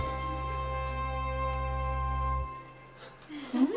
うん！